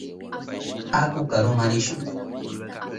Aku karuma rishun.